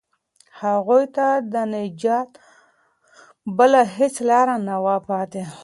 هغوی ته د نجات بله هیڅ لاره نه وه پاتې.